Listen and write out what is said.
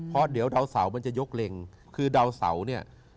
เพราะเดี๋ยวดาวเสามันจะยกเล็งคือดาวเสาเนี่ย